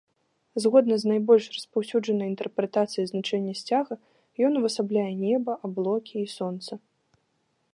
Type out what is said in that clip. Згодна з найбольш распаўсюджанай інтэрпрэтацыяй значэння сцяга, ён увасабляе неба, аблокі і сонца.